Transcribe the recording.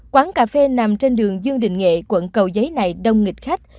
quán cà phê nằm trên đường dương đình nghệ quận cầu giấy này đông nghịch khách